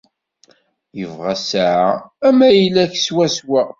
Yebɣa ssaεa am ayla-k swaswa.